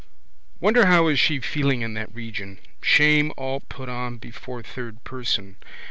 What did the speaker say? Wonder how is she feeling in that region. Shame all put on before third person.